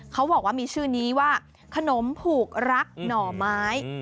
เขาบอกว่ามีชื่อนี้ว่าขนมผูกรักหน่อไม้